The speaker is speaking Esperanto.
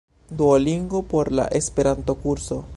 Duolingo por la Esperanto-kurso